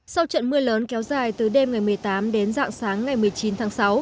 sau trận mưa lớn kéo dài từ đêm ngày một mươi tám đến dạng sáng ngày một mươi chín tháng sáu